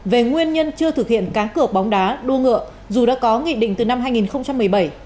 về nguyên nhân chưa thực hiện cá cửa bóng đá đua ngựa dù đã có nghị định từ năm hai nghìn một mươi bảy